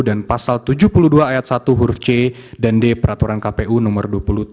dan pasal tujuh puluh dua ayat satu huruf c dan d peraturan kpu nomor dua puluh tiga